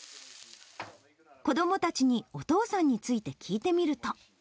子どもたちにお父さんについて聞いてみると。